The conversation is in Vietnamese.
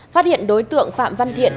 phát hiện đối tượng phạm văn thiện